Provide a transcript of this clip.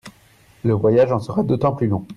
Le voyage en sera d'autant plus long.